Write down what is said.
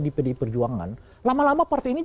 di pdi perjuangan lama lama partai ini